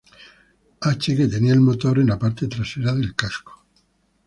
H, que tenía el motor en la parte trasera del casco.